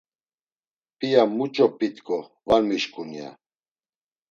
P̌iya muç̌o p̌itǩo, var mişǩun, ya.